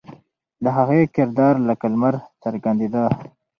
د هغې کردار لکه لمر څرګندېده.